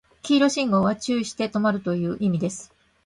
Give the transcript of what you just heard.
黄色信号は注意して止まるという意味です